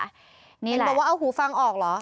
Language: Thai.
นี่แหละเป็นแบบว่าเอาหูฟังออกเหรอ